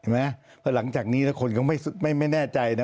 เพราะหลังจากนี้แล้วคนก็ไม่แน่ใจนะ